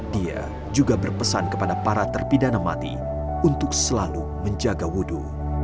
dia juga berpesan kepada para terpidana mati untuk selalu menjaga wudhu